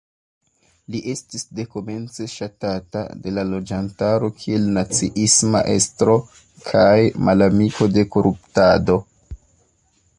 Li estis dekomence ŝatata de la loĝantaro kiel naciisma estro kaj malamiko de koruptado.